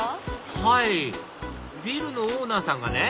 はいビルのオーナーさんがね